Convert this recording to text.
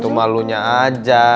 itu malunya aja